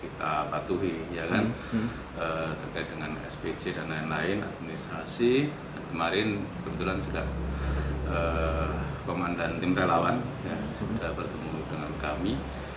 kita target minggu ini sudah selesai